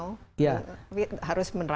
harus menerapkan social distancing